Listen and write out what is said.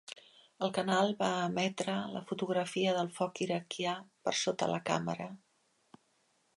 El canal va emetre la fotografia del foc iraquià per sota la càmera.